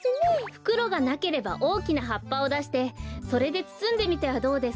ふくろがなければおおきなはっぱをだしてそれでつつんでみてはどうですか？